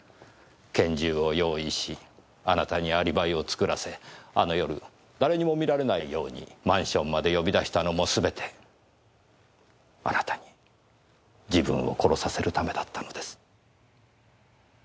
拳銃を用意しあなたにアリバイを作らせあの夜誰にも見られないようにマンションまで呼び出したのもすべてあなたに自分を殺させるためだったのです。